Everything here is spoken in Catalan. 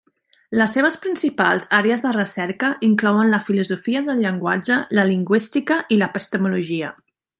Les seves principals àrees de recerca inclouen la filosofia del llenguatge, la lingüística i l'epistemologia.